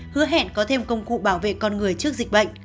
hứa hẹn có thêm công cụ bảo vệ con người trước dịch bệnh